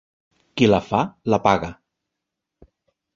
Qui la fa la paga.